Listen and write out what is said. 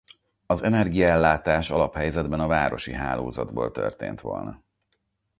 Az energiaellátás alaphelyzetben a városi hálózatból történt volna.